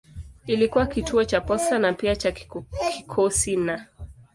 Ilikuwa kituo cha posta na pia cha kikosi na.